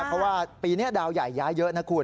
เพราะว่าปีนี้ดาวใหญ่ย้ายเยอะนะคุณ